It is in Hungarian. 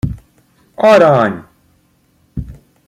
Arany!